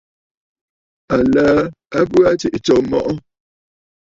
Aləə a bə aa tsiꞌì tsǒ mɔꞌɔ.